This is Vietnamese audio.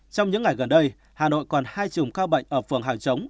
trong những ngày gần đây hà nội còn hai trùng cao bệnh ở phường hàng chống